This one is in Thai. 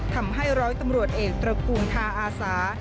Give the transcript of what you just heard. ทำให้ร้อยตำรวจเอกตระกูลทาอาสา